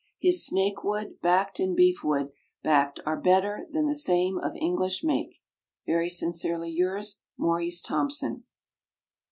His Snakewood, backed, and Beefwood, backed, are =better= than the same of English make. Very sincerely yours, MAURICE THOMPSON.